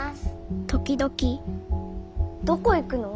時々どこ行くの？